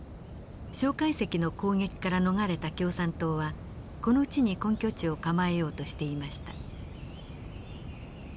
介石の攻撃から逃れた共産党はこの地に根拠地を構えようとしていました。